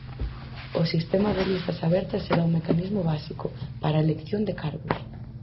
O sistema de listas abertas será o mecanismo básico "para a elección de cargos".